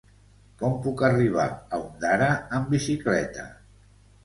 Com puc arribar a Ondara amb bicicleta?